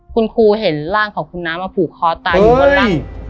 คุณครูเห็นร่างของคุณน้ำมาผูกคอตายอยู่บนหลัง